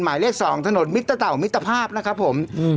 หมายเลขสองถนนมิตเต่ามิตเต่าภาพนะครับผมอืม